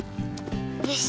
よし。